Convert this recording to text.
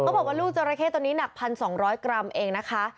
บอกว่าลูกจราเข้ตัวนี้หนัก๑๒๐๐กรัมเองนะคะ